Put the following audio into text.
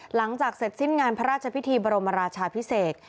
หลังจากเสร็จสิ้นงานพระราชพิธีบรมราชาพิเศษ